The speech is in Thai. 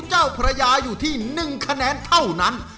เจ้าพระยาอยู่ที่๑คะแนนเท่านั้น